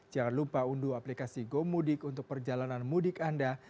jangan lupa unduh aplikasi gomudik untuk perjalanan mudik anda